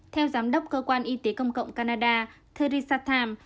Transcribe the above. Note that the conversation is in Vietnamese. theo giám đốc cơ quan y tế công cộng canada theresatham